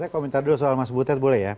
saya komentar dulu soal mas butet boleh ya